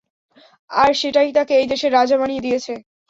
আর সেটাই তাকে এই দেশের রাজা বানিয়ে দিয়েছে।